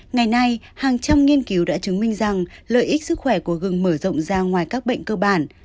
ngày nay hàng trăm nghiên cứu đã chứng minh rằng lợi ích sức khỏe của gừng mở rộng ra ngoài các bệnh cơ bản